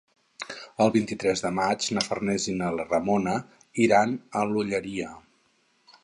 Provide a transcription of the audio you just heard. El vint-i-tres de maig na Farners i na Ramona iran a l'Olleria.